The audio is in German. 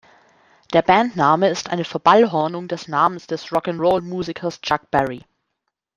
Der Bandname ist eine Verballhornung des Namens des Rock-’n’-Roll-Musikers Chuck Berry.